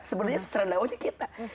sebenarnya sasaran dakwahnya kita